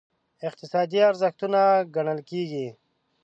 اقتصادي ارزښت ګڼل کېږي.